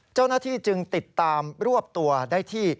เจ้าหน้าที่จึงติดตามรวบตัวได้ที่